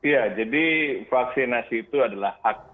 ya jadi vaksinasi itu adalah hak